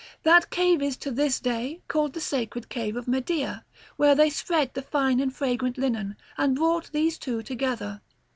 That cave is to this day called the sacred cave of Medea, where they spread the fine and fragrant linen and brought these two together.